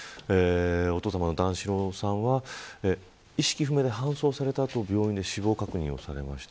お父さまの段四郎さんは意識不明で搬送された後病院で死亡が確認されました。